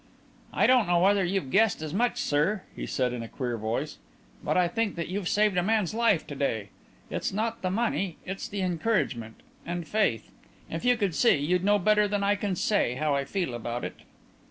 "I don't know whether you've guessed as much, sir," he said in a queer voice, "but I think that you've saved a man's life to day. It's not the money, it's the encouragement ... and faith. If you could see you'd know better than I can say how I feel about it."